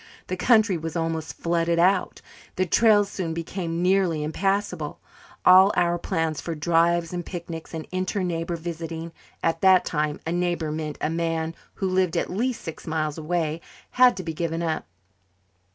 The country was almost "flooded out." The trails soon became nearly impassable. All our plans for drives and picnics and inter neighbour visiting at that time a neighbour meant a man who lived at least six miles away had to be given up.